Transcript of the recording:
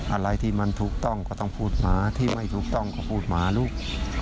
อะไรที่มันถูกต้องก็ต้องพูดหมาที่ไม่ถูกต้องก็พูดหมาลูก